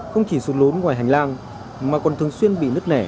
không chỉ sụt lún ngoài hành lang mà còn thường xuyên bị nứt nẻ